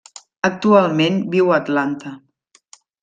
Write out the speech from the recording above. Actualment viu a Atlanta.